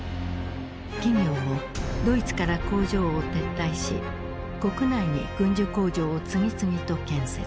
企業もドイツから工場を撤退し国内に軍需工場を次々と建設。